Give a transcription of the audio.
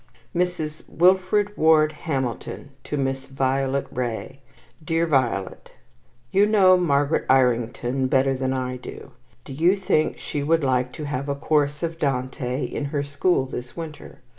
Mrs. Wilfred Ward Hamilton to Miss Violet Wray DEAR VIOLET, You know Margaret Irington better than I do. Do you think she would like to have a course of Dante in her school this winter?